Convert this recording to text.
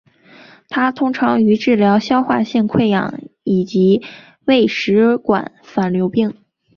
它常用于治疗消化性溃疡以及胃食管反流病。